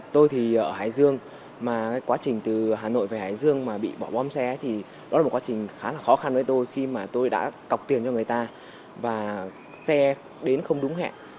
tôi thì ở hải dương mà quá trình từ hà nội về hải dương mà bị bỏ bom xe thì đó là một quá trình khá là khó khăn với tôi khi mà tôi đã cọc tiền cho người ta và xe đến không đúng hẹn